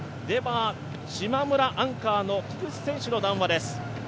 しまむら、アンカーの菊地選手の談話です。